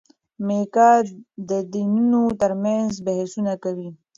میکا د دینونو ترمنځ بحثونه کوي.